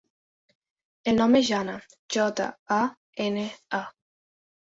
El nom és Jana: jota, a, ena, a.